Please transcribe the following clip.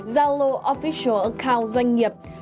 zalo official account doanh nghiệp